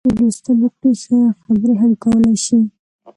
که څوک ډېر لوستل وکړي، ښه خبرې هم کولای شي.